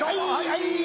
はい。